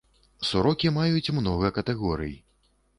Сурокі маюць многа катэгорый.